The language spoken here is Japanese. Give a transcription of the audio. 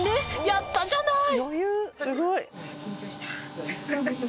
やったじゃない！」